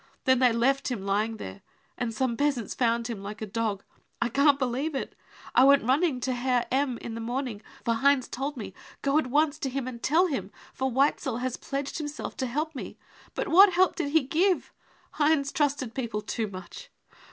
Then they left him lying there, and some peasants found him, like a dog. I can't believe it. jl went running t% Herr M. in the morning, for Heinz told me, go at once to him and tell him, for Weitzel has pledged himself to help me. But what help did he give ! Heinz trusted people too much.